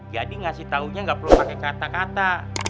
jadi ngasih taunya gak perlu pake kata kata